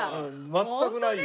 全くないよ。